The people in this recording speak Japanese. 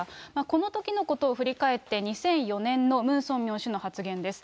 このときのことを振り返って、２００４年のムン・ソンミョン氏の発言です。